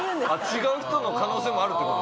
違う人の可能性もあるってこと？